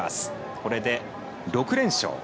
これで６連勝。